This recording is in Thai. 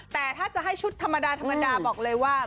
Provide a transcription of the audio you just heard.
แต่ถ้าจะให้ชุดธรรมดาบอกเลยว่า